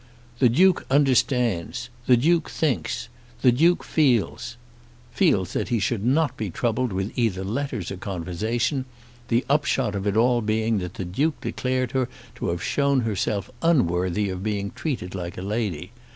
"The Duke understands " "The Duke thinks " "The Duke feels " feels that he should not be troubled with either letters or conversation; the upshot of it all being that the Duke declared her to have shown herself unworthy of being treated like a lady!